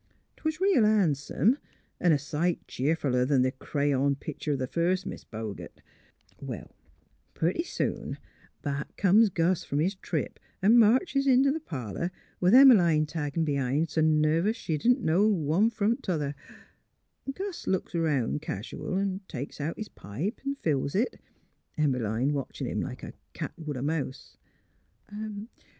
'Twas real han'some, 'n' a sight cheerfuller 'n' th' crayon pictur' o' th' first Mis' Bogert. MALVINA POINTS A MORAL 183 Well, purty soon, back comes Gus f'om Ms trip an' marches in tli' parlour, with Em 'line taggin' b'hind, s' nervous she didn't know which f'om tother. Gus looks 'round casual an' takes out his pipe an' fills it — Em 'line watchin' him like a cat would a mouse.